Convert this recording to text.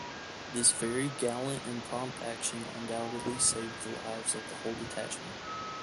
This very gallant and prompt action undoubtedly saved the lives of the whole detachment.